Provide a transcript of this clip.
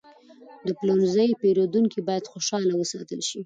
د پلورنځي پیرودونکي باید خوشحاله وساتل شي.